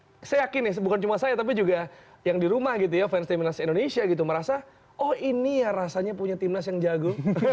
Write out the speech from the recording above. karena ini saya yakin ya bukan cuma saya tapi juga yang di rumah gitu ya fans timnas indonesia gitu merasa oh ini ya rasanya punya timnas yang jago